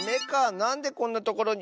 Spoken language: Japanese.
なんでこんなところに。